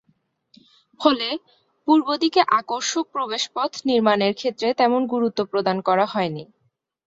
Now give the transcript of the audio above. ফলে পূর্বদিকে আকর্ষক প্রবেশপথ নির্মাণের ক্ষেত্রে তেমন গুরুত্ব প্রদান করা হয় নি।